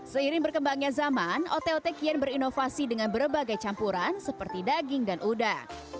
seiring berkembangnya zaman ote ote kian berinovasi dengan berbagai campuran seperti daging dan udang